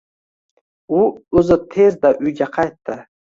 U oʻzi tezda uyga qaytdi.